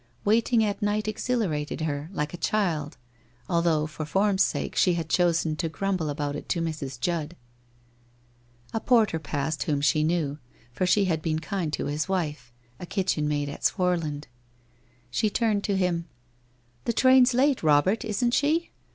Wait ing at night exhilarated her, like a child, although for form's sake she had chosen to grumble about it to Mrs. Judd. A porter passed whom she knew, for she had been kind to his wife — a kitchen maid at Swarland. She turned to him: 'The train's late, Robert, isn't she?